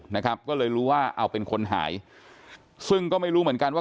นะครับก็เลยรู้ว่าเอาเป็นคนหายซึ่งก็ไม่รู้เหมือนกันว่า